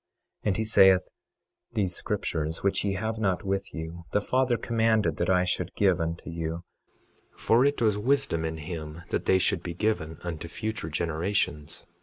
26:2 And he saith: These scriptures, which ye had not with you, the Father commanded that I should give unto you; for it was wisdom in him that they should be given unto future generations.